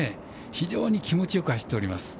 非常に気持ちよく走っています。